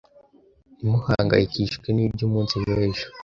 “ntimugahangayikishwe n’iby’umunsi w’ejo